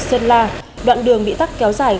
sơn la đoạn đường bị tắc kéo dài